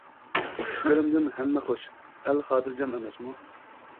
ئىشلىرىمدىن ھەممە خوش، ئەل خاتىرجەم ئەمەسمۇ.